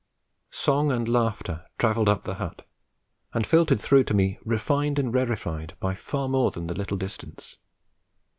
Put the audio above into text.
Song and laughter travelled up the hut, and filtered through to me refined and rarefied by far more than the little distance.